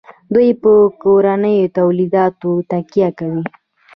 دوی په کورنیو تولیداتو تکیه کوي.